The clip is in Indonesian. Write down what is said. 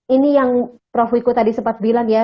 ini yang prof wiku tadi sempat bilang ya